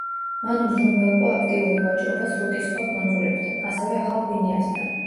მან უზრუნველყო აქტიური ვაჭრობა სრუტის სხვა კუნძულებთან, ასევე ახალ გვინეასთან.